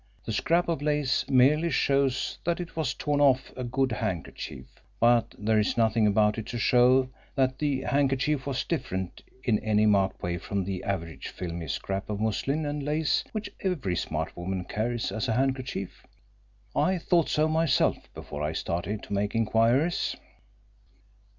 The scrap of lace merely shows that it was torn off a good handkerchief, but there is nothing about it to show that the handkerchief was different in any marked way from the average filmy scrap of muslin and lace which every smart woman carries as a handkerchief. I thought so myself, before I started to make inquiries."